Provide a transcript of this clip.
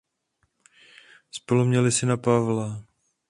Spolu měli syna Pavla.